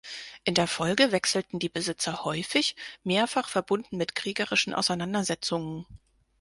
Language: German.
In der Folge wechselten die Besitzer häufig, mehrfach verbunden mit kriegerischen Auseinandersetzungen.